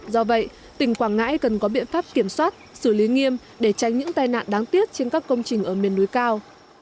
do vậy tỉnh quảng ngãi cần có biện pháp kiểm soát xử lý nghiêm để tránh những tai nạn đáng tiếc trên các công trình ở miền núi cao